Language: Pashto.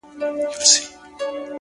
ستا د ږغ څــپــه ، څـپه ،څپــه نـه ده،